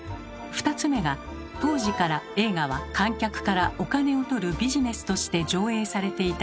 ２つ目が当時から映画は観客からお金を取るビジネスとして上映されていた点。